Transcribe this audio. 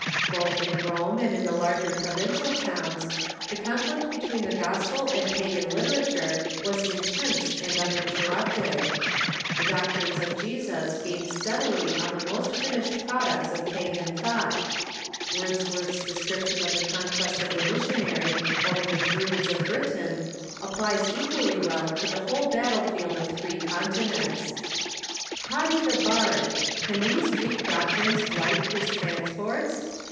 Both in Rome and in the larger provincial towns, the conflict between the gospel and pagan literature was intense and uninterrupted. The doc trines of Jesus gained steadily on the most finished products 96 THE EABLY CHURCH of pagan thought, Wordsworth's description of the conquest of the missionary over the Druids of Britain applies equally well to the whole battle field of three continents : "Haughty the Bard— can these weak doctrines blight His transports